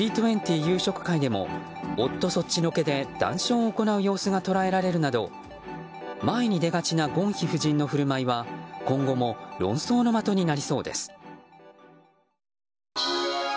夕食会でも夫そっちのけで談笑を行う様子が捉えられるなど前に出がちなゴンヒ夫人の振る舞いは今後も論争の的になりそうです。